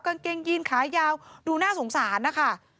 กางเกงยีนขายาวดูน่าสงสารนะคะ